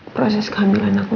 proses kehamilan aku